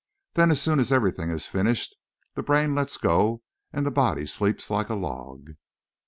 Then, as soon as everything is finished, the brain lets go and the body sleeps like a log.